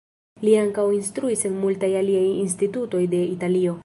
Li ankaŭ instruis en multaj aliaj institutoj de Italio.